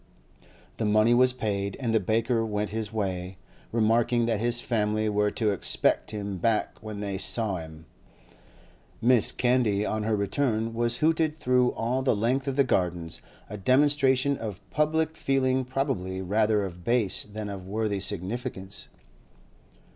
The money was paid, and the baker went his way, remarking that his family were to 'expect him back when they saw him.' Mrs. Candy, on her return, was hooted through all the length of the Gardens, a demonstration of public feeling probably rather of base than of worthy significance.